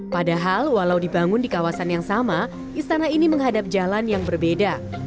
padahal walau dibangun di kawasan yang sama istana ini menghadap jalan yang berbeda